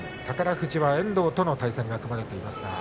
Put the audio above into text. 宝富士、遠藤との対戦が組まれています。